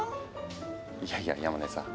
いやいや山根さん